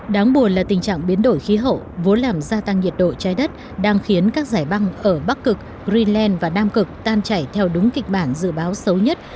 đáng buồn là tình trạng biến đổi khí hậu vốn làm gia tăng nhiệt độ trái đất đang khiến các giải băng ở bắc cực greenland và nam cực tan chảy theo đúng kịch bản dự báo xấu nhất